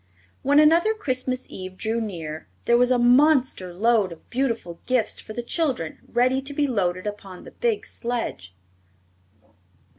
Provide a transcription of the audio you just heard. When another Christmas Eve drew near there was a monster load of beautiful gifts for the children ready to be loaded upon the big sledge.